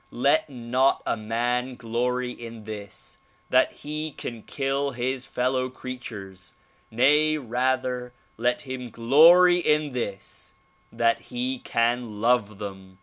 Let not a man glory in this, — that he can kill his fellow creatures ; nay, rather, let him glory in this, that he can love them.